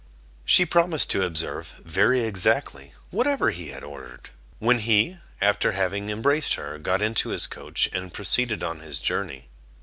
She promised to observe, very exactly, whatever he had ordered; when he, after having embraced her, got into his coach and proceeded on his journey.